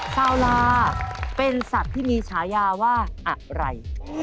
ซาลาเป็นสัตว์ที่มีฉายาว่าอะไร